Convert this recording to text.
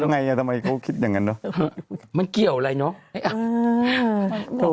ไงทำไมเขาคิดอย่างนั้นเนอะมันเกี่ยวอะไรเนอะ